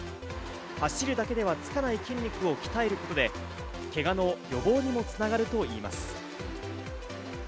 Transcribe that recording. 走るだけではつかない筋肉を鍛えることでけがの予防にも繋がるといいます。